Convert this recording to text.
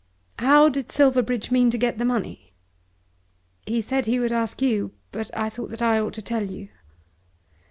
"How did Silverbridge mean to get the money?" "He said he would ask you. But I thought that I ought to tell you."